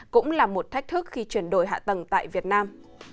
cũng là một thách thức khi chuyển đổi hạ tầng tại việt nam